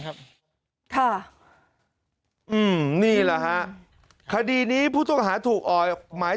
ครับค่ะอืมนี่แหละฮะคดีนี้ผู้ต้องหาถูกออกหมาย